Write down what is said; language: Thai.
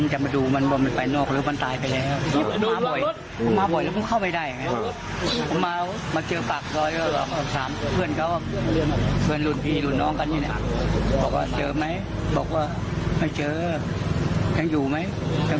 บอกว่าเจอไหมบอกว่าไม่เจอยังอยู่ไหม